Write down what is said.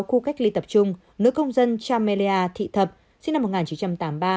khu cách ly tập trung nữ công dân chamelia thị thập sinh năm một nghìn chín trăm tám mươi ba